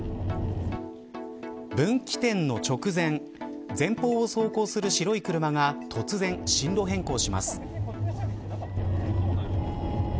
分岐点の直前前方を走行する白い車が突然、進路変更します。